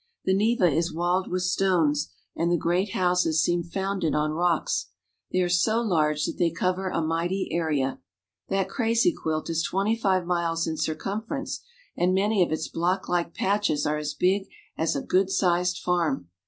The Neva is walled with stones, and the great houses seem founded on rocks. They are so large that they cover a mighty area. That crazy quilt is twenty five miles in circumference, and many of its blocklike patches are as big as a good sized farm.